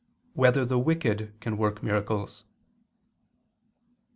2] Whether the Wicked Can Work Miracles?